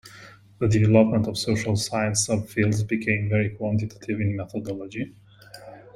The development of social science subfields became very quantitative in methodology.